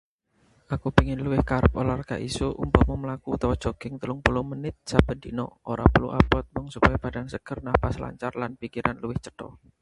Aku pengin luwih kerep olahraga esuk, umpama mlaku utawa joging telung puluh menit saben dina. Ora perlu abot, mung supaya badan seger, napas lancar, lan pikiran luwih cetha.